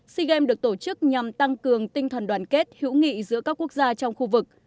sea games được tổ chức nhằm tăng cường tinh thần đoàn kết hữu nghị giữa các quốc gia trong khu vực